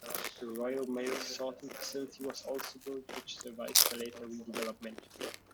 A Royal Mail sorting facility was also built which survived the later redevelopment.